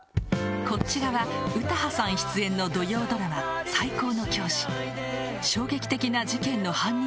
こっち側詩羽さん出演の土曜ドラマ『最高の教師』衝撃的な事件の犯人